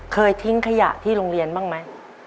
เคยทิ้งขยะที่โรงเรียนบ้างไหม